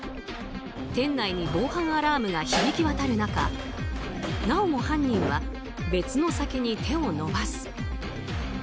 店内に防犯アラームが響き渡る中なおも犯人は別の酒に手を伸ばす。